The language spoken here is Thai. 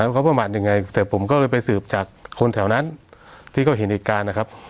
เขาประมาทยังไงแต่ผมก็เลยไปสืบจากคนแถวนั้นที่เขาเห็นเหตุการณ์นะครับ